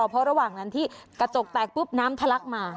เพราะระหว่างนั้นที่กระจกแตกปุ๊บน้ำทะลักมา